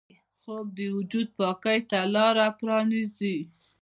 خوب د وجود پاکۍ ته لاره پرانیزي